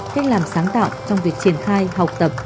cách làm sáng tạo trong việc triển khai học tập